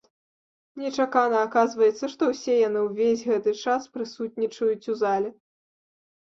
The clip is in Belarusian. Нечакана аказваецца, што ўсе яны ўвесь гэты час прысутнічаюць у зале.